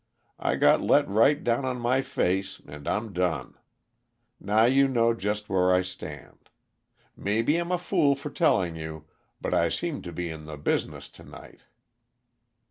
I got let right down on my face, and I'm done. Now you know just where I stand. Maybe I'm a fool for telling you, but I seem to be in the business to night.